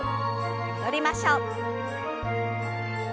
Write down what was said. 戻りましょう。